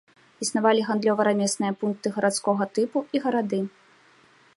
Існавалі гандлёва-рамесныя пункты гарадскога тыпу і гарады.